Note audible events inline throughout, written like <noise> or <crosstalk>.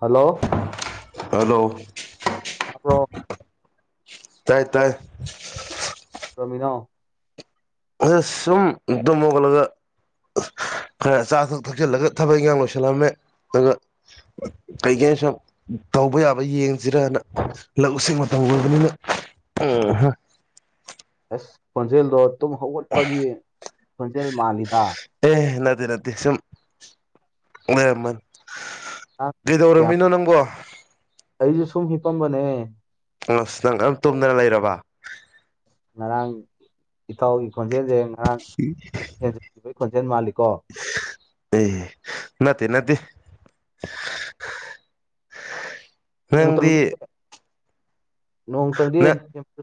hello hello ꯇꯥꯕꯔꯣ ꯇꯥꯏ ꯇꯥꯏ ꯀꯩꯗꯧꯔꯝꯃꯤꯅꯣ ꯁꯨꯝ ꯇꯨꯝ ꯍꯧꯒꯠꯂꯒ ꯈꯔ ꯑꯆꯥ ꯑꯊꯛ ꯊꯛꯆꯤꯂꯒ ꯊꯕꯛ ꯏꯟꯈꯥꯡ ꯂꯣꯏꯁꯤꯜꯂꯝꯃꯦ ꯑꯗꯨꯒ ꯀꯩꯒꯦ ꯁꯨꯝ ꯇꯧꯕ ꯌꯥꯕ ꯌꯦꯡꯖꯤꯔꯥꯅ ꯂꯧꯎ ꯁꯤꯡꯎ ꯇꯧꯔꯕꯅꯤꯅ <unintelligible> ꯈꯣꯟꯖꯦꯜꯗꯣ ꯇꯨꯝ ꯍꯧꯒꯠꯄꯒꯤ ꯈꯣꯟꯖꯦꯜ ꯃꯥꯜꯂꯤꯗꯥ ꯑꯗꯨ ꯅꯠꯇꯦ ꯁꯨꯝ ꯅꯪ ꯀꯌꯥꯝ ꯀꯩꯗꯧꯔꯝꯃꯤꯅꯣ ꯅꯪꯕꯣ ꯑꯩꯁꯨ ꯁꯨꯝ ꯍꯤ ꯄꯝꯕꯅꯦ ꯑꯁ ꯅꯪ ꯑꯗꯨꯝ ꯇꯨꯝꯗꯅ ꯂꯩꯔꯕ ꯉꯔꯥꯡ ꯏꯇꯥꯎꯒꯤ ꯈꯣꯟꯖꯦꯜꯁꯦ ꯉꯍꯥꯡꯈꯤꯕꯒꯤ ꯈꯣꯟꯖꯦꯜ ꯃꯥꯜꯂꯤꯀꯣ ꯑꯦ ꯅꯠꯇ ꯅꯠꯇ ꯅꯪꯗꯤ <unintelligible> ꯅꯣꯡꯇꯪꯗꯤ ꯅꯪ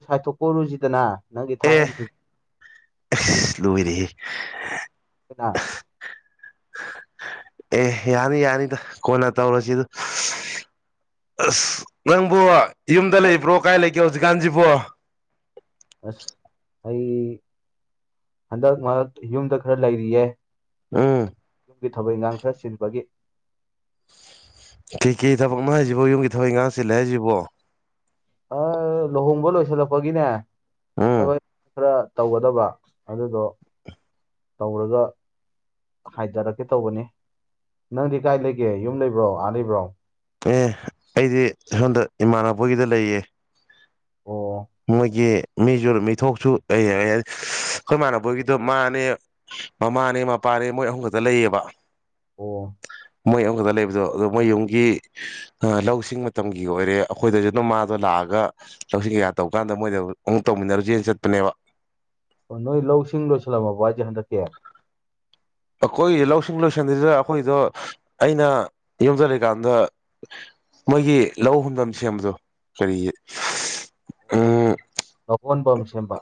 ꯁꯥꯏꯊꯣꯛꯄꯔꯨꯁꯤꯗꯅ ꯅꯪꯒꯤ ꯊꯥꯏꯅꯒꯤꯗꯨ ꯂꯣꯏꯔꯦ ꯍꯦ ꯑꯣꯏꯅ ꯑꯦ ꯌꯥꯅꯤ ꯌꯥꯅꯤ ꯀꯣꯟꯅ ꯇꯧꯔꯁꯤꯗ ꯑꯁ ꯅꯪꯕꯨ ꯌꯨꯝꯗ ꯂꯩꯕ꯭ꯔꯣ ꯀꯥꯏ ꯂꯩꯒꯦ ꯍꯧꯖꯤꯛꯀꯥꯟꯁꯤꯕꯣ <inaudible> ꯑꯩ ꯍꯟꯗꯛ ꯃꯔꯛ ꯌꯨꯝꯗ ꯈꯔ ꯂꯩꯔꯤꯌꯦ ꯎꯝ ꯒꯤ ꯊꯕꯛ ꯏꯉꯥꯡ ꯈꯔ ꯆꯤꯟꯕꯒꯤ ꯀꯩ ꯀꯩ ꯊꯕꯛꯅꯣ ꯍꯥꯏꯁꯤꯕꯣ ꯌꯨꯝꯒꯤ ꯊꯕꯛ ꯉꯥꯡ ꯁꯤꯜꯂꯦ ꯍꯥꯏꯁꯤꯕꯣ ꯑ ꯂꯨꯍꯣꯡꯕ ꯂꯣꯏꯁꯤꯜꯂꯛꯄꯒꯤꯅꯦ ꯎꯝ ꯊꯕꯛ ꯈꯔ ꯇꯧꯒꯗꯕ ꯑꯗꯨꯗꯣ ꯇꯧꯔꯒ ꯍꯥꯏꯊꯔꯛꯀꯦ ꯇꯧꯕꯅꯤ ꯅꯪꯗꯤ ꯀꯥꯏ ꯂꯩꯒꯦ ꯌꯨꯝ ꯂꯩꯕ꯭ꯔꯣ ꯑꯥ ꯂꯩꯕ꯭ꯔꯣ ꯑꯦ ꯑꯩꯗꯤ ꯍꯟꯗꯛ ꯏꯃꯥꯟꯅꯕꯒꯤꯗ ꯂꯩꯌꯦ ꯑꯣ ꯃꯣꯏꯒꯤ ꯃꯤꯁꯨ ꯃꯤꯊꯣꯛꯁꯨ ꯂꯩ ꯑꯩꯈꯣꯏ ꯏꯃꯥꯟꯅꯕꯣꯏꯒꯤꯗꯣ ꯃꯥꯅꯦ ꯃꯃꯥꯅꯦ ꯃꯄꯥ ꯌꯥꯔꯦ ꯃꯣꯏ ꯑꯍꯨꯝ ꯈꯛꯇ ꯂꯩꯌꯦꯕ ꯑꯣ ꯃꯣꯏ ꯑꯨꯝꯈꯛꯇ ꯂꯩꯕꯗꯣ ꯑꯗꯣ ꯃꯣꯏ ꯌꯨꯝꯒꯤ ꯂꯧꯁꯤꯡ ꯃꯇꯝꯒꯤ ꯑꯣꯏꯔꯦ ꯑꯩꯈꯣꯏꯗꯁꯨ ꯑꯗꯨꯝ ꯃꯥꯗꯣ ꯂꯥꯛꯑꯒ ꯂꯧꯁꯤꯡ ꯀꯌꯥ ꯇꯧꯀꯥꯟꯗ ꯃꯣꯏꯗ ꯑꯃꯨꯛ ꯇꯧꯃꯤꯟꯅꯔꯨꯁꯦ ꯆꯠꯄꯅꯦꯕ ꯑꯣ ꯅꯣꯏ ꯂꯧꯁꯤꯡ ꯂꯣꯏꯁꯤꯜꯂꯝꯃꯕ ꯍꯥꯏꯁꯦ ꯍꯟꯗꯛꯀꯦ ꯑꯩꯈꯣꯏ ꯂꯧꯁꯤꯡ ꯂꯣꯏꯁꯟꯗꯗ ꯑꯩꯈꯣꯏꯗꯣ ꯑꯩꯅ ꯌꯨꯝꯗ ꯂꯩꯀꯥꯟꯗ ꯃꯣꯏꯒꯤ ꯂꯧ ꯍꯨꯝꯐꯝ ꯁꯦꯝꯕꯗꯣ ꯀꯔꯤꯒꯤ ꯂꯣꯟꯕꯝ ꯁꯦꯝꯕ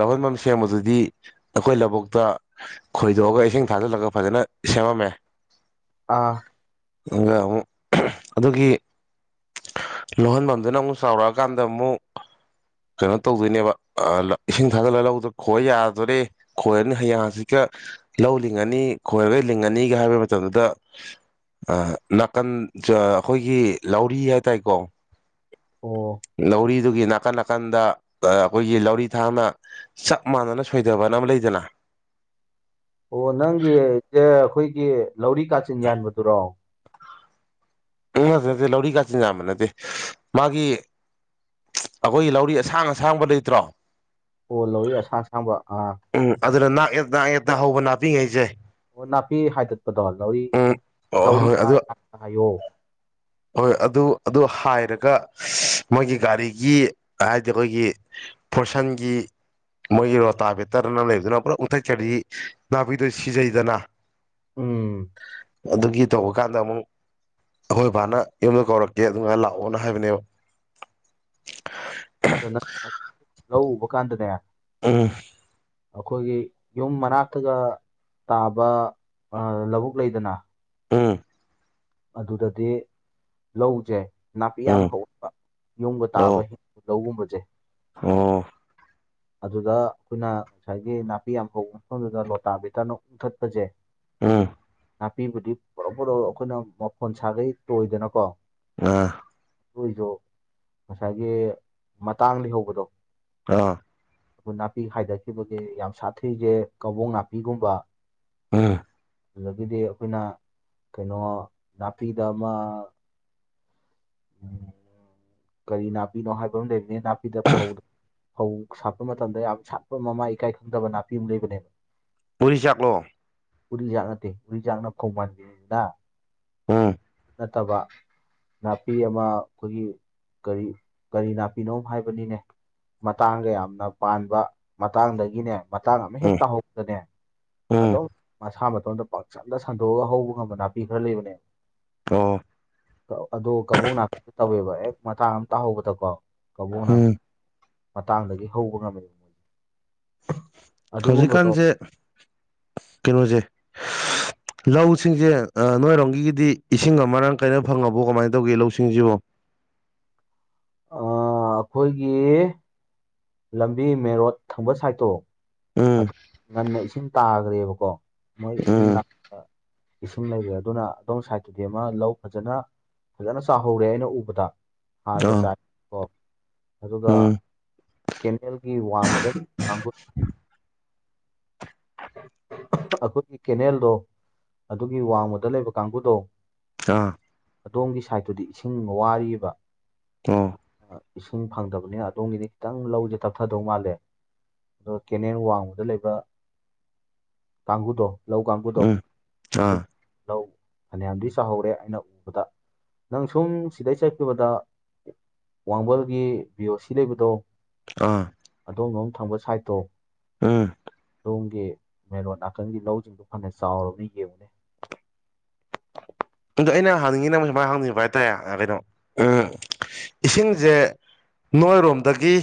ꯂꯧꯍꯟꯐꯝ ꯁꯦꯝꯕꯗꯨꯗꯤ ꯑꯩꯈꯣꯏ ꯂꯧꯕꯨꯛꯇ ꯈꯣꯏꯗꯣꯛꯑꯒ ꯏꯁꯤꯡ ꯊꯥꯖꯤꯜꯂꯒ ꯐꯖꯅ ꯅ ꯁꯦꯝꯃꯃꯦ ꯑꯥ ꯑꯗꯨꯒ ꯑꯃꯨ ꯑꯗꯨꯒꯤ ꯂꯨꯍꯟꯐꯝꯗꯨꯅ ꯑꯃꯨꯛ ꯆꯥꯎꯔꯛꯑꯀꯥꯟꯗ ꯑꯃꯨꯛ ꯀꯩꯅꯣ ꯇꯧꯗꯣꯏꯅꯦꯕ ꯏꯁꯤꯡ ꯊꯥꯒꯠꯂ ꯂꯧꯗꯨ ꯈꯣꯏ ꯌꯥꯗꯣꯔꯦ ꯈꯣꯏꯔꯅꯤ ꯍꯌꯦꯌꯥꯡꯁꯤꯒ ꯂꯧ ꯂꯤꯡꯉꯅꯤ ꯈꯣꯏꯔꯒ ꯂꯤꯡꯉꯅꯤꯒ ꯍꯥꯏꯕ ꯃꯇꯝꯗꯨꯗ ꯅꯥꯀꯟ ꯑꯩꯈꯣꯏꯒꯤ ꯂꯧꯔꯤ ꯍꯥꯏ ꯇꯔꯦꯀꯣ ꯑꯣ ꯅꯥꯎꯔꯤꯗꯨꯒꯤ ꯅꯥꯀꯟ ꯅꯥꯀꯟꯗ ꯑꯩꯈꯣꯏꯒꯤ ꯂꯧꯔꯤ ꯊꯥꯛꯅ ꯆꯞ ꯃꯥꯟꯅꯅ ꯁꯣꯏꯊꯕꯅ ꯑꯃ ꯂꯩꯗꯅ ꯑꯣ ꯅꯪꯒꯤꯦ ꯑꯩꯈꯣꯏꯒꯤ ꯂꯧꯔꯤ ꯀꯥꯆꯤꯟ ꯌꯥꯟꯕꯗꯨꯔꯣ ꯎ ꯅꯠꯇꯦ ꯂꯧꯔꯤ ꯀꯥ ꯆꯤꯟ ꯌꯥꯝꯕ ꯅꯠꯇꯦ ꯃꯥꯒꯤ ꯑꯩꯈꯣꯏꯒꯤ ꯂꯧꯔꯤ ꯑꯁꯥꯡ ꯑꯁꯥꯡꯕ ꯂꯩꯇ꯭ꯔꯣ ꯑꯣ ꯂꯣꯋ ꯑꯁꯥꯁꯕ ꯑꯥ ꯑꯦ ꯌꯦꯛꯇ ꯍꯧꯕ ꯅꯥꯄꯤꯉꯩꯁꯦ ꯑꯣ ꯅꯥꯄꯤ ꯍꯥꯏꯗꯠꯄꯗꯣ ꯂꯧꯔꯤ ꯎꯝ ꯑꯣ ꯂꯧꯔꯤ ꯍꯣꯏ ꯑꯗꯨ ꯍꯥꯏꯌꯣ ꯍꯣꯏ ꯑꯗꯨ ꯑꯗꯨ ꯍꯥꯏꯔꯒ ꯃꯣꯏꯒꯤ ꯒꯥꯔꯤꯒꯤ ꯍꯥꯏꯗꯤ ꯑꯩꯈꯣꯏꯒꯤ ꯐꯣꯔꯁꯟꯒꯤ ꯃꯣꯏꯒꯤ ꯔꯣꯇꯥ ꯕꯦꯇꯔꯅ ꯂꯩꯕꯗꯨꯅ ꯄꯨꯔꯥ ꯎꯟꯊꯩ ꯆꯔꯤ ꯅꯥꯄꯤꯗꯨ ꯁꯤꯖꯩꯗꯅ ꯎꯝ ꯑꯗꯨꯒꯤ ꯇꯧꯕ ꯀꯥꯟꯗ ꯑꯃꯨꯛ ꯍꯣꯏ ꯕꯕꯥꯅ ꯌꯨꯝꯗ ꯀꯧꯔꯛꯀꯦ ꯑꯗꯨꯥꯏ ꯂꯥꯛꯑꯣꯅ ꯍꯥꯏꯕꯅꯦꯕ ꯑꯗꯨ ꯅꯪ ꯂꯧ ꯎꯕ ꯀꯥꯟꯗ ꯗꯅꯦ ꯎꯝ ꯑꯩꯈꯣꯏꯒꯤ ꯌꯨꯝ ꯃꯅꯥꯛꯇꯒ ꯇꯥꯕ ꯂꯧꯕꯨꯛ ꯂꯩꯗꯅ ꯎꯝ ꯑꯗꯨꯗꯗꯤ ꯂꯧꯖꯩ ꯅꯥꯄꯤ ꯌꯥꯝ ꯎꯝ ꯍꯧꯔꯛꯄ ꯌꯣꯒ ꯑꯣ ꯇꯥꯕ ꯂꯧꯒꯨꯝꯕꯗ ꯑꯣ ꯑꯗꯨꯗ ꯑꯩꯈꯣꯏꯅ ꯉꯁꯥꯏꯒꯤ ꯅꯥꯄꯤ ꯌꯥꯝ ꯍꯧꯕ ꯃꯐꯝꯗꯨꯗ ꯂꯣꯇꯥ ꯕꯤꯇꯥꯅ ꯃꯨꯊꯠꯄꯁꯦ ꯎꯝ ꯅꯥꯄꯤꯕꯨꯗꯤ ꯄꯨꯂꯞ ꯄꯨꯂꯞ ꯑꯩꯈꯣꯏꯅ ꯃꯐꯣꯟ ꯁꯥꯒꯩ ꯇꯣꯏꯗꯅꯀꯣ ꯑꯥ ꯑꯗꯨ ꯑꯣꯏꯁꯨ ꯉꯁꯥꯏꯒꯤ ꯃꯇꯥꯡꯗꯤ ꯍꯧꯕꯗꯣ ꯑꯥ ꯑꯩꯈꯣꯏ ꯅꯥꯄꯤ ꯍꯥꯏꯊꯈꯤꯕꯒꯤ ꯌꯥꯝ ꯁꯥꯊꯩꯁꯦ ꯀꯕꯣꯛ ꯅꯥꯄꯤꯒꯨꯝꯕ ꯑꯥ ꯑꯗꯨꯗꯒꯤꯗꯤ ꯑꯩꯈꯣꯏꯅ ꯀꯩꯅꯣ ꯅꯥꯄꯤꯗ ꯑꯃ ꯀꯔꯤ ꯅꯥꯄꯤꯅꯣ ꯍꯥꯏꯕ ꯑꯃ ꯂꯩꯔꯤꯅꯦ ꯅꯥꯄꯤꯗ ꯐꯧꯗ ꯐꯧ ꯁꯥꯠꯄ ꯃꯇꯝꯗ ꯌꯥꯝ ꯁꯥꯠꯄ ꯃꯃꯥꯏ ꯏꯀꯥꯏ ꯈꯪꯗꯕ ꯅꯥꯄꯤ ꯑꯃ ꯂꯩꯕꯅꯦꯕ ꯄꯨꯔꯤ ꯆꯥꯛꯂꯣ ꯎꯔꯤꯖꯥꯛ ꯅꯠꯇꯦ ꯎꯔꯤꯖꯥꯛꯅ ꯐꯧ ꯃꯥꯟꯕꯤꯔꯤꯁꯤꯗ ꯎꯝ ꯅꯠꯇꯕ ꯅ ꯅꯥꯄꯤ ꯑꯃ ꯑꯩꯈꯣꯏꯒꯤ ꯀꯔꯤ ꯀꯔꯤ ꯅꯥꯄꯤꯅꯣ ꯍꯥꯏꯕꯅꯤꯅꯦ ꯃꯇꯥꯡꯒ ꯌꯥꯝꯅ ꯄꯥꯟꯕ ꯃꯇꯥꯡꯗꯒꯤꯅꯦ ꯃꯇꯥꯡ ꯑꯃ ꯍꯦꯛ ꯎꯝ ꯇꯥꯍꯧꯕꯗꯅꯦ ꯎꯝ ꯑꯗꯨꯝ ꯃꯁꯥ ꯃꯇꯣꯝꯗ ꯄꯥꯛꯆꯟꯗ ꯁꯟꯗꯣꯛꯑꯒ ꯍꯧꯕ ꯉꯝꯕ ꯅꯥꯄꯤ ꯈꯔ ꯂꯩꯕꯅꯦꯕ ꯑꯣ ꯑꯗꯨ ꯀꯕꯣꯛ ꯅꯥꯄꯤ ꯇꯧꯋꯦꯕ ꯍꯦꯛ ꯃꯇꯥꯡ ꯑꯃꯇ ꯍꯧꯕꯗꯀꯣ ꯀꯕꯣꯛ ꯎꯝ ꯅꯥꯄꯤ ꯃꯇꯥꯡꯗꯒꯤ ꯍꯧꯕ ꯉꯝꯃꯦꯕ ꯃꯣꯏꯁꯦ ꯑꯗꯨꯒꯨꯝꯕꯗꯣ ꯍꯧꯖꯤꯛꯀꯥꯟꯁꯦ ꯀꯩꯅꯣꯁꯦ <inaudible> ꯂꯧꯁꯤꯡꯁꯦ ꯅꯣꯏꯔꯣꯝꯒꯤꯒꯤꯗꯤ ꯏꯁꯤꯡ ꯑꯃ ꯃꯔꯥꯡ ꯀꯥꯏꯅ ꯐꯪꯉꯕꯣ ꯀꯃꯥꯏꯅ ꯇꯧꯒꯦ ꯂꯧꯁꯤꯡꯁꯤꯕꯣ <inaudible> ꯑꯩꯈꯣꯏꯒꯤ ꯂꯝꯕꯤ ꯃꯦꯔꯣꯠ ꯊꯪꯕ ꯁꯥꯏꯠꯇꯣ ꯎꯝ ꯉꯟꯅ ꯏꯁꯤꯡ ꯇꯥꯈ꯭ꯔꯦꯕꯀꯣ ꯃꯣꯏ ꯏꯁꯤꯡ ꯎꯝ ꯏꯁꯤꯡ ꯂꯩꯔꯦ ꯑꯗꯨꯅ ꯑꯗꯣꯝ ꯁꯥꯏꯠꯇꯗꯤ ꯑꯃ ꯂꯧ ꯐꯖꯅ ꯐꯖꯅ ꯆꯥꯍꯧꯔꯦ ꯑꯩꯅ ꯎꯕꯗ ꯍꯥꯔꯒ ꯑꯥ ꯆꯥꯏ ꯀꯣ ꯑꯗꯨꯒ ꯎꯝ ꯀꯦꯅꯦꯜꯒꯤ ꯋꯥꯡꯃꯗ ꯀꯥꯡꯕꯨꯨꯠ ꯑꯩꯈꯣꯏꯒꯤ ꯀꯦꯅꯦꯜꯗꯣ ꯑꯗꯨꯒꯤ ꯋꯥꯡꯃꯗ ꯂꯩꯕ ꯀꯥꯡꯕꯨꯗꯣ ꯑꯥ ꯑꯗꯣꯝꯒꯤ ꯁꯥꯏꯠꯇꯨꯗꯤ ꯏꯁꯤꯡ ꯋꯥꯔꯤꯕ ꯑꯣ ꯏꯁꯤꯡ ꯐꯪꯗꯕꯅꯤꯅ ꯑꯗꯣꯝꯒꯤꯗꯤ ꯈꯤꯇꯪ ꯂꯧꯁꯦ ꯇꯞꯊꯗꯧ ꯃꯥꯜꯂꯦ ꯑꯗꯨꯒ ꯀꯦꯅꯦꯜ ꯋꯥꯡꯃꯗ ꯂꯩꯕ ꯀꯥꯡꯕꯨꯗꯣ ꯂꯧ ꯀꯥꯡꯕꯨꯗꯣ ꯎꯝ ꯑꯗꯨ ꯑꯥ ꯂꯧ ꯐꯅꯌꯥꯝꯗꯤ ꯆꯥꯍꯧꯔꯦ ꯑꯩꯅ ꯎꯕꯗ ꯅꯪ ꯁꯨꯝ ꯁꯤꯗꯩ ꯆꯠꯈꯤꯕꯗ ꯋꯥꯡꯕꯜꯒꯤ ꯕꯤꯌꯣ ꯁꯤ ꯂꯩꯕꯗꯣ ꯑꯗꯣꯝ ꯑꯝ ꯊꯪꯕ ꯁꯥꯏꯠꯇꯣ ꯑꯥ ꯇꯣꯝꯒꯤ ꯃꯦꯔꯣ ꯅꯥꯀꯟꯒꯤ ꯂꯧꯁꯤꯡꯗꯣ ꯐꯅ ꯆꯥꯎꯔꯕꯅ ꯌꯦꯡꯅꯤ <unintelligible> ꯑꯗꯣ ꯑꯩꯅ ꯍꯪꯅꯤꯡꯉꯤꯅ ꯁꯨꯃꯥꯏꯅ ꯍꯪꯅꯤꯡꯕ ꯍꯥꯏꯇꯥꯔꯦ ꯀꯩꯅꯣ ꯎꯝ ꯏꯁꯤꯡꯁꯦ ꯅꯣꯏꯔꯣꯝꯗꯒꯤ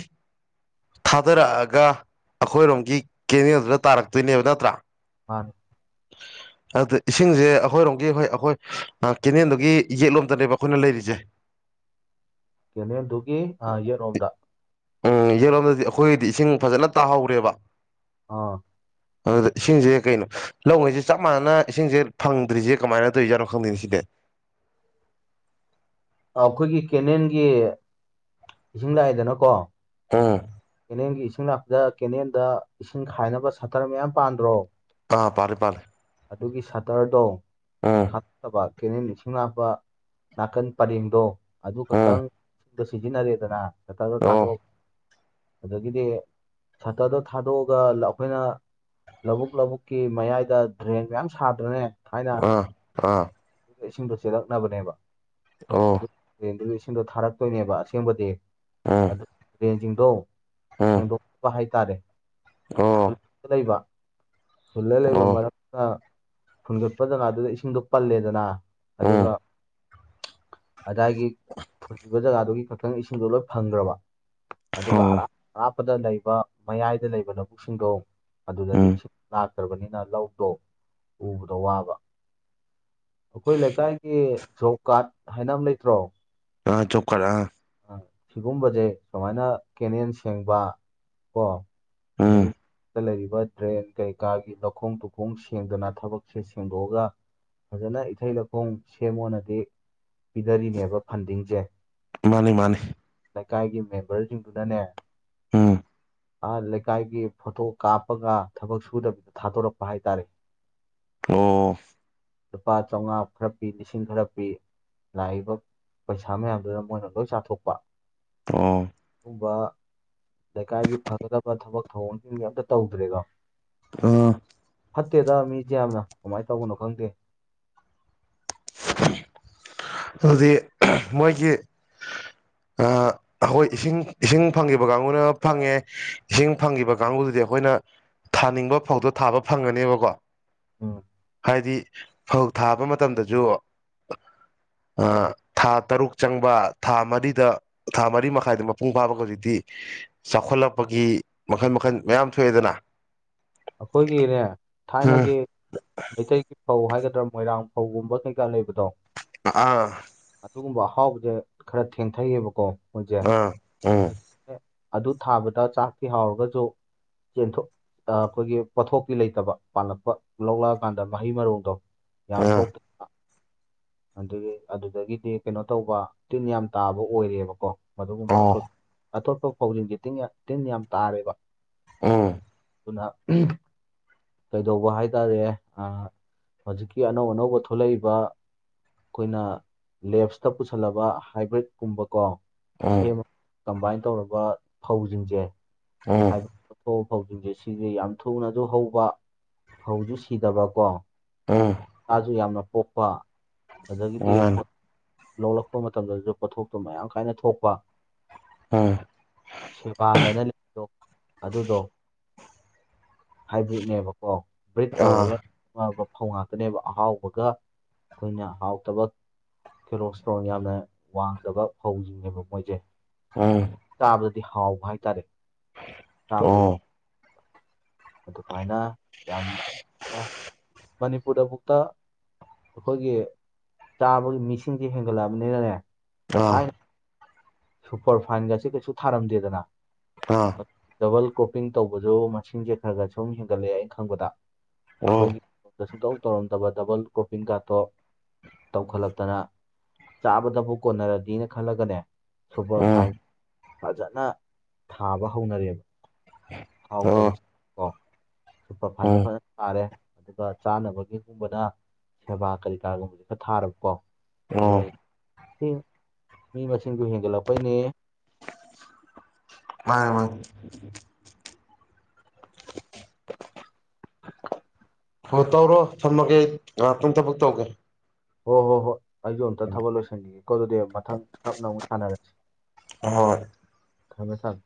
ꯊꯥꯗꯔꯛꯑꯒ ꯑꯩꯈꯣꯏꯔꯣꯝꯒꯤ ꯀꯦꯅꯦꯜꯗꯨꯗ ꯇꯥꯔꯛꯇꯣꯏꯅꯦꯕ ꯅꯠꯇ꯭ꯔꯥ ꯑ ꯑꯗꯨꯗ ꯏꯁꯤꯡꯁꯦ ꯑꯩꯈꯣꯏꯔꯣꯝꯒꯤ ꯍꯣꯏ ꯑꯩꯈꯣꯏ ꯀꯦꯅꯦꯜꯗꯨꯒꯤ ꯌꯦꯠꯂꯣꯝꯇꯅꯦꯕ ꯑꯩꯈꯣꯏꯅ ꯂꯩꯔꯤꯁꯦ ꯀꯦꯅꯦꯜꯗꯨꯒꯤ ꯌꯦꯠꯔꯣꯝꯗ ꯎꯝ ꯌꯦꯡꯂꯣꯝꯗꯗꯤ ꯑꯩꯈꯣꯏꯒꯤꯗꯤ ꯏꯁꯤꯡ ꯐꯖꯅ ꯇꯥꯍꯧꯔꯦꯕ ꯑꯥ ꯑꯗꯨꯗ ꯏꯁꯤꯡꯁꯦ ꯀꯩꯅꯣ ꯂꯧꯉꯩꯁꯦ ꯆꯞ ꯃꯥꯟꯅꯅ ꯏꯁꯤꯡꯁꯦ ꯐꯪꯗ꯭ꯔꯤꯁꯦ ꯀꯃꯥꯏꯅ ꯇꯧꯔꯤꯖꯠꯔꯣ ꯈꯪꯁꯤꯒꯦ ꯑꯩꯈꯣꯏꯒꯤ ꯀꯦꯅꯦꯜꯒꯤ ꯏꯁꯤꯡ ꯂꯥꯛꯏꯗꯅꯀꯣ ꯑꯝ ꯀꯦꯅꯦꯜꯒꯤ ꯏꯁꯤꯡ ꯂꯥꯛꯄꯗ ꯀꯦꯅꯦꯜꯗ ꯏꯁꯤꯡ ꯈꯥꯏꯅꯕ ꯁꯥꯇꯔ ꯃꯌꯥꯝ ꯄꯥꯟꯗ꯭ꯔꯣ ꯑꯥ ꯄꯥꯔꯦ ꯄꯥꯔꯦ ꯑꯗꯨꯒꯤ ꯁꯇꯔꯗꯣ ꯊꯥꯕ ꯀꯦꯅꯦꯜ ꯏꯁꯤꯡ ꯍꯥꯞꯄ ꯅꯥꯀꯟ ꯄꯔꯦꯡꯗꯣ ꯑꯗꯨ ꯎꯝ ꯈꯛꯇꯪ ꯁꯨꯝꯗ ꯁꯤꯖꯤꯟꯅꯔꯦꯗꯅ ꯆꯠꯊꯗ ꯑꯣ ꯊꯥꯗꯣꯛ ꯑꯗꯒꯤꯗꯤ ꯁꯇꯗꯣ ꯊꯥꯗꯣꯛꯑꯒ ꯑꯩꯈꯣꯏꯅ ꯂꯧꯕꯨꯛ ꯂꯧꯕꯨꯛꯀꯤ ꯃꯌꯥꯏꯗ ꯗ꯭ꯔꯦꯟ ꯃꯌꯥꯝ ꯁꯥꯗ꯭ꯔꯅꯦ ꯊꯥꯏꯅ ꯑꯥ ꯑꯥ ꯏꯁꯤꯡꯗꯣ ꯆꯦꯜꯂꯛꯅꯕꯅꯦꯕ ꯑꯣ ꯑꯗꯨ ꯇꯦꯟꯗꯨꯒꯤ ꯏꯁꯤꯡꯗꯣ ꯊꯥꯔꯛꯇꯣꯏꯅꯦꯕ ꯑꯁꯦꯡꯕꯗꯤ ꯎꯝ ꯑꯗꯨ ꯇꯦꯟꯁꯤꯡꯗꯣ ꯎꯝ ꯁꯦꯡꯗꯣꯛꯅꯕ ꯍꯥꯏꯇꯥꯔꯦ ꯑꯣ ꯂꯩꯕ ꯐꯨꯜꯂ ꯂꯩꯕ ꯑꯣ ꯃꯔꯝ ꯐꯨꯟꯒꯠꯄ ꯖꯒꯥꯗꯨꯗ ꯏꯁꯤꯡꯗꯣ ꯄꯜꯂꯦꯗꯅ ꯎꯝ ꯑꯗꯨꯒ ꯑꯗꯨꯗꯥꯏꯒꯤ ꯐꯨꯕ ꯖꯒꯥꯗꯨꯒꯤ ꯈꯛꯇꯪ ꯏꯁꯤꯡꯗꯣ ꯂꯣꯏ ꯐꯪꯈ꯭ꯔꯕ ꯑꯣ ꯑꯗꯨꯒꯔꯥꯞ ꯑꯔꯥꯞꯄꯗ ꯂꯩꯕ ꯃꯌꯥꯏꯗ ꯂꯩꯕ ꯂꯧꯕꯛꯁꯤꯡꯗꯣ ꯑꯗꯨꯗꯗꯤ ꯎꯝ ꯂꯥꯛꯇ꯭ꯔꯕꯅꯤꯅ ꯂꯧꯗꯣ ꯎꯕꯗ ꯋꯥꯕ ꯑꯩꯈꯣꯏ ꯂꯩꯀꯥꯏꯒꯤ ꯖꯣꯕ ꯀꯥꯔꯗ ꯍꯥꯏꯅ ꯑꯃ ꯂꯩꯇ꯭ꯔꯣ ꯑꯥ ꯆꯣꯛ ꯀꯔ ꯑꯥ ꯁꯤꯒꯨꯝꯕꯁꯦ ꯁꯨꯃꯥꯏꯅ ꯀꯦꯅꯦꯦꯟ ꯁꯦꯡꯕ ꯀꯣ ꯑꯥ ꯑꯗꯨꯗꯒꯤ ꯎꯝ ꯂꯩꯔꯤꯕ ꯗ꯭ꯔꯦꯟ ꯀꯩꯀꯥꯒꯤ ꯂꯧꯈꯣꯡ ꯇꯨꯈꯣꯡ ꯁꯦꯡꯗꯅ ꯊꯕꯛꯁꯦ ꯁꯦꯡꯗꯣꯛꯑꯒ ꯐꯖꯅ ꯏꯊꯩ ꯂꯧꯈꯣꯡ ꯁꯦꯝꯃꯣꯅꯗꯤ ꯄꯤꯗꯔꯤꯅꯦꯕ ꯐꯟꯗꯤꯡꯁꯦ ꯃꯥꯅꯤ ꯃꯥꯅꯤ ꯂꯩꯀꯥꯏꯒꯤ ꯃꯦꯝꯕꯔꯁꯤꯡꯗꯨꯅꯅꯦ ꯎꯝ ꯂꯩꯀꯥꯏꯒꯤ ꯐꯣꯇꯣ ꯀꯥꯞꯄꯒ ꯊꯕꯛ ꯁꯨꯗꯕꯤꯗ ꯊꯥꯗꯣꯔꯛꯄ ꯍꯥꯏꯇꯥꯔꯦ <unintelligible> ꯑꯣꯐ ꯂꯨꯄꯥ ꯆꯥꯝꯃꯉꯥ ꯈꯔ ꯄꯤ ꯂꯤꯁꯤꯡ ꯈꯔ ꯄꯤ ꯂꯥꯛꯏꯕ ꯄꯩꯁꯥ ꯃꯌꯥꯝꯗꯨꯗ ꯃꯣꯏꯅ ꯂꯣꯏ ꯆꯥꯊꯣꯛꯄ ꯇꯣ ꯂꯩꯀꯥꯏꯒꯤ ꯐꯒꯗꯕ ꯊꯕꯛ ꯊꯧꯑꯣꯡꯁꯤꯡꯗꯤ ꯑꯝꯇ ꯇꯧꯗ꯭ꯔꯦꯀꯣ ꯑꯥ ꯐꯠꯇꯦꯗ ꯃꯤꯁꯦ ꯌꯥꯝꯅ ꯀꯃꯥꯏꯅ ꯇꯧꯕꯅꯣ ꯈꯪꯗꯦ <unintelligible> ꯑꯗꯨꯗꯤ ꯃꯣꯏꯒꯤ ꯍꯈꯣꯏ ꯏꯁꯤꯡ ꯏꯁꯤꯡ ꯐꯪꯈꯤꯕ ꯀꯥꯡꯕꯨꯅ ꯐꯪꯉꯦ ꯏꯁꯤꯡ ꯐꯪꯕ ꯀꯥꯡꯕꯨꯗꯨꯗꯤ ꯑꯩꯈꯣꯏ ꯑꯩꯈꯣꯏꯅ ꯊꯥꯅꯤꯡꯕ ꯐꯥꯎꯇꯣ ꯊꯥꯕ ꯐꯪꯒꯅꯦꯕꯀꯣ ꯎꯝ ꯍꯥꯏꯕꯗꯤ ꯐꯧ ꯊꯥꯕ ꯃꯇꯝꯗꯁꯨ ꯊꯥ ꯇꯔꯨꯛ ꯆꯪꯕ ꯊꯥ ꯃꯔꯤꯗ ꯊꯥ ꯃꯔꯤ ꯃꯈꯥꯏꯗ ꯃꯄꯨꯡ ꯐꯥꯕꯒ ꯍꯧꯖꯤꯛꯇꯤ ꯆꯥꯎꯈꯠꯂꯛꯄꯒꯤ ꯃꯈꯜ ꯃꯈꯜ ꯃꯌꯥꯝ ꯊꯣꯛꯑꯦꯗꯅ ꯑꯩꯈꯣꯏꯒꯤꯅꯦ ꯎꯝ ꯊꯥꯏꯅꯒꯤ ꯃꯩꯇꯩꯒꯤ ꯐꯧ ꯍꯥꯏꯒꯗꯥ ꯃꯣꯏꯔꯥꯡ ꯐꯧꯒꯨꯝꯕ ꯀꯩꯀꯥ ꯂꯩꯕꯗꯣ ꯑꯥ ꯑꯗꯨꯒꯨꯝꯕ ꯑꯍꯥꯎꯕꯁꯦ ꯈꯔ ꯊꯦꯡꯊꯩꯌꯦꯕꯀꯣ ꯃꯣꯏꯁꯦ ꯑꯥ ꯎꯝ ꯍꯧꯖꯤꯛ ꯑꯗꯨ ꯊꯥꯕꯗ ꯆꯥꯛꯇꯤ ꯍꯥꯎꯔꯒꯁꯨ ꯆꯦꯟꯊꯣꯛ ꯑꯩꯈꯣꯏꯒꯤ ꯄꯣꯊꯣꯛꯇꯤ ꯂꯩꯇꯕ ꯄꯥꯜꯂꯛꯄ ꯂꯧꯂꯛꯑꯀꯥꯟꯗ ꯃꯍꯩ ꯃꯔꯣꯡꯗꯣ ꯌꯥꯝ ꯑꯥ ꯊꯣꯛꯇ ꯑꯗꯨꯗꯒꯤ ꯑꯗꯨꯗꯒꯤꯗꯤ ꯀꯩꯅꯣ ꯇꯧꯕ ꯇꯤꯟ ꯌꯥꯝ ꯇꯥꯕ ꯑꯣꯏꯔꯦꯕꯀꯣ ꯃꯗꯨꯒꯨꯝꯕ ꯑꯣ ꯑꯇꯣꯠꯄ ꯐꯧꯖꯤꯟꯁꯦ ꯇꯤꯟ ꯌꯥꯝ ꯇꯥꯔꯦꯕ ꯑꯥ ꯎꯝ ꯀꯩꯗꯧꯕ ꯍꯥꯏ ꯇꯔꯦ ꯍꯧꯖꯤꯛꯀꯤ ꯑꯅꯧ ꯑꯅꯧꯕ ꯊꯣꯛꯂꯛꯏꯕ ꯑꯩꯈꯣꯏꯅ ꯂꯦꯞꯁꯇ ꯄꯨꯁꯜꯂꯕ ꯍꯥꯏꯕ꯭ꯔꯤꯠꯀꯨꯝꯕ ꯀꯣ ꯎꯝ ꯁꯦꯝꯃꯒ ꯀꯝꯕꯥꯏꯟ ꯇꯧꯔꯕ ꯐꯧꯁꯤꯡꯁꯦ ꯎꯝ ꯍꯥꯏꯗꯤꯊꯣꯛ ꯐꯧꯁꯤꯡꯁꯦ ꯁꯤꯁꯦ ꯌꯥꯝ ꯊꯨꯅꯁꯨ ꯍꯧꯕ ꯐꯧꯁꯨ ꯁꯤꯗꯕꯀꯣ ꯎꯝ ꯁꯥꯁꯨ ꯌꯥꯝꯅ ꯄꯣꯛꯄ ꯑꯗꯒꯤꯗꯤ ꯎꯝ ꯂꯧꯂꯛꯄ ꯃꯇꯝꯗꯁꯨ ꯄꯣꯠꯊꯣꯛꯇꯣ ꯃꯌꯥꯝ ꯀꯥꯏꯅ ꯊꯣꯛꯄ ꯎꯝ ꯐꯒꯅ ꯑꯗꯨꯗꯣ ꯍꯥꯏꯕ꯭ꯔꯤꯠꯅꯦꯕꯀꯣ ꯀ ꯕ꯭ꯔꯤꯠ ꯑꯥ ꯇꯧꯔꯒ ꯐꯧ ꯉꯥꯛꯇꯅꯦꯕ ꯑꯍꯥꯎꯕꯒ ꯑꯩꯈꯣꯏꯅ ꯑꯍꯥꯎ ꯇꯕꯛ ꯀꯤꯂꯣꯁꯇ꯭ꯔꯣꯟ ꯌꯥꯝꯅ ꯋꯥꯡꯗꯕ ꯐꯧꯁꯤꯡꯅꯦꯕ ꯃꯣꯏꯁꯦ ꯑꯝ ꯆꯥꯕꯗꯗꯤ ꯍꯥꯎꯕ ꯍꯥꯏꯇꯥꯔꯦꯥꯕꯗꯗꯤ ꯑꯣ ꯑꯗꯨꯃꯥꯏꯅ ꯌꯥꯝ ꯑꯦ ꯃꯅꯤꯄꯨꯔꯗꯕꯨꯨꯛꯇ ꯑꯩꯈꯣꯏꯒꯤ ꯆꯥꯕꯒꯤ ꯃꯤꯁꯤꯡꯁꯤꯦ ꯍꯦꯟꯒꯠꯂꯛꯑꯕꯅꯤꯅꯅꯦ ꯑꯥ ꯊꯥꯏꯅ ꯁꯨꯄꯔ ꯐꯥꯏꯟꯒꯁꯤꯦ ꯀꯩꯁꯨ ꯊꯥꯔꯝꯗꯦꯗꯅ ꯑꯥ ꯗꯕꯜ ꯀ꯭ꯔꯣꯞꯄꯤꯡ ꯇꯧꯕꯁꯨ ꯃꯁꯤꯡꯁꯦ ꯈꯔ ꯈꯔ ꯁꯨꯝ ꯍꯦꯟꯒꯠꯂꯛꯑꯦ ꯑꯩꯅ ꯈꯪꯕꯗ ꯑꯣ ꯑꯩꯈꯣꯏꯒꯤ ꯁꯨꯡꯇꯧ ꯇꯧꯔꯝꯗꯕ ꯗꯕꯜ ꯀꯣꯄꯤꯡꯒꯥꯇꯣ ꯇꯧꯈꯠꯂꯛꯇꯅ ꯆꯥꯕꯗꯕꯨ ꯀꯣꯟꯅꯔꯗꯤꯅ ꯈꯜꯂꯒꯅꯦ ꯁꯨꯄꯔ ꯎꯝ ꯐꯥꯏꯟ ꯐꯖꯅ ꯊꯥꯕ ꯍꯧꯅꯔꯦꯕ ꯍꯥꯎꯗ ꯑꯣ ꯀꯣ ꯁꯨꯄꯔ ꯐꯖꯦ ꯎꯝ ꯐꯖꯅ ꯇꯥꯔꯦ ꯑꯗꯨꯒ ꯆꯥꯅꯕꯒꯤꯒꯨꯝꯕꯅ ꯁꯦꯕꯥ ꯀꯔꯤ ꯀꯥꯒꯨꯝꯕꯁꯦ ꯈꯔ ꯊꯥꯔꯕꯀꯣ ꯑꯗꯨ ꯑꯣ ꯃꯤ ꯃꯁꯤꯡ ꯃꯁꯤꯡꯅꯒ ꯍꯦꯟ ꯂꯞꯄꯥꯏꯅꯦꯌꯦ ꯃꯥ ꯃꯥ ꯍꯣꯏ ꯇꯧꯔꯣ ꯊꯝꯃꯒꯦ ꯄꯨꯡ ꯊꯕꯛ ꯇꯧꯒꯦ ꯍ ꯍꯣ ꯍꯣ ꯑꯩꯁꯨꯣ ꯑꯝꯇ ꯊꯕꯛ ꯂꯣꯏꯁꯤꯟꯈꯤꯒꯦꯀꯣ ꯑꯗꯨꯗꯤ ꯃꯊꯪ ꯇꯞꯅ ꯑꯃꯨꯛ ꯁꯥꯟꯅꯔꯁꯤ ꯍꯣꯏ ꯊꯃꯦ ꯊꯝ